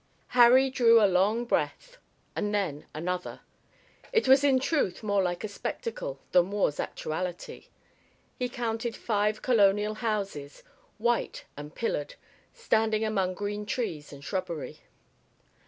Harry drew a long breath and then another. It was in truth more like a spectacle than war's actuality. He counted five colonial houses, white and pillared, standing among green trees and shrubbery.